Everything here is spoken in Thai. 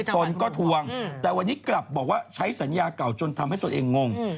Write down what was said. ตนก็ทวงแต่วันนี้กลับบอกว่าใช้สัญญาเก่าจนทำให้ตัวเองงง